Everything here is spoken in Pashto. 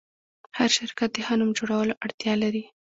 هر شرکت د ښه نوم جوړولو اړتیا لري.